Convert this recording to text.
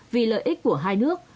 vì lợi ích của hai nước